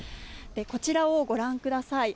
こちらをご覧ください。